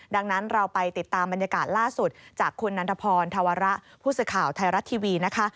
ดังนั้นเราไปติดตามบรรยากาศล่าสุดจากคุณนันทพรธวระผู้สื่อข่าวไทยรัฐทีวีนะคะ